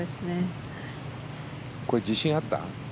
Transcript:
これ、自信あった？